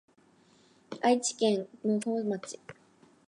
愛知県扶桑町